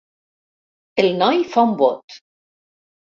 El noi fa un bot.